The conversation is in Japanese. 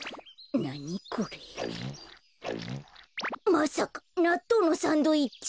まさかなっとうのサンドイッチ？